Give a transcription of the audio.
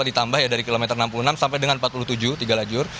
ditambah ya dari kilometer enam puluh enam sampai dengan empat puluh tujuh tiga lajur